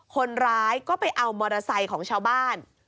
คนร้ายก็ไปเอามอเตอร์ไซค์ของชาวบ้าน